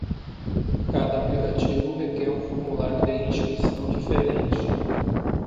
Cada aplicativo requer um formulário de inscrição diferente.